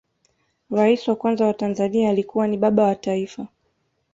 rais wa kwanza wa tanzania alikuwa ni baba wa taifa